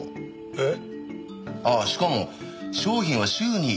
えっ！？